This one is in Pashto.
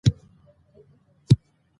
د ايبټ اباد په غره کې